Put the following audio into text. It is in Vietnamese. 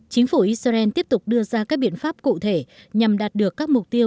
chính phủ israel tiếp tục đưa ra các biện pháp cụ thể nhằm đạt được các mục tiêu